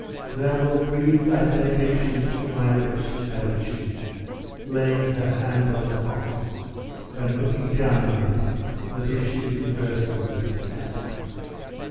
Thou wilt breathe thy benediction through my lips," added she, laying her hand on the coffin, and looking down on it as if she were conversing with its inhabitant.